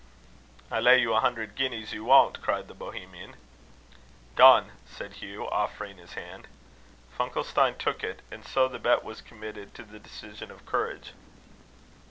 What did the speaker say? "I lay you a hundred guineas you won't!" cried the Bohemian. "Done!" said Hugh, offering him his hand. Funkelstein took it; and so the bet was committed to the decision of courage.